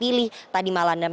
terpilih tadi malam